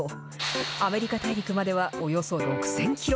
アメリカ大陸まではおよそ６０００キロ。